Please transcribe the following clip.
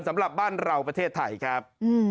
สำหรับบ้านเราประเทศไทยครับ